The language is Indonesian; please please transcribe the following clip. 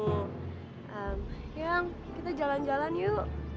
yang kita jalan jalan yuk